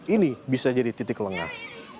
ini bisa jadi titik lengah